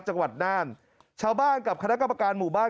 จังหวัดน่านชาวบ้านกับคณะกรรมการหมู่บ้าน